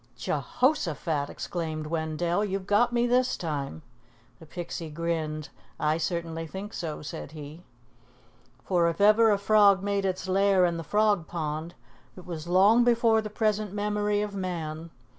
"Je hoshaphat!" exclaimed Wendell. "You've got me this time." The Pixie grinned. "I certainly think so," said he. For if ever a frog made its lair in the Frog Pond, it was long before the present memory of man.